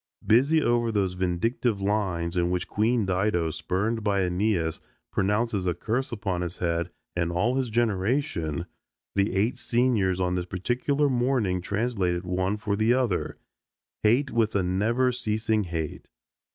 Busy over those vindictive lines in which Queen Dido, spurned by Aeneas, pronounces a curse upon his head and all his generation, the eight seniors on this particular morning translated one for the other, "Hate, with a never ceasing hate."